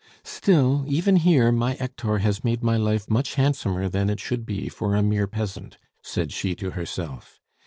"Still, even here my Hector has made my life much handsomer than it should be for a mere peasant," said she to herself.